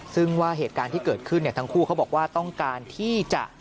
ซึ่งว่าเหตุการณ์ที่เกิดขึ้นทั้งคู่เขาบอกว่าต้องการที่จะ